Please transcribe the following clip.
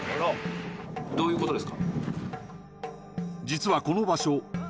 実はこの場所